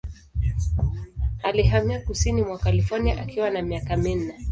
Alihamia kusini mwa California akiwa na miaka minne.